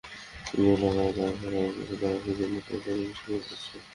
কিন্তু ফ্লাইওভারের কাজ চলায় রাস্তাটি সাধারণ মানুষের জন্য চলাচলের অনুপযোগী হয়ে পড়েছে।